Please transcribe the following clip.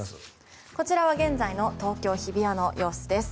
こちらは現在の東京・日比谷の様子です。